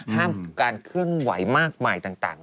ห้ามการเคลื่อนไหวมากมายต่าง